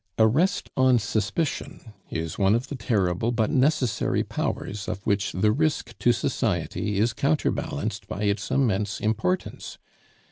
Arrest on suspicion is one of the terrible but necessary powers of which the risk to society is counterbalanced by its immense importance.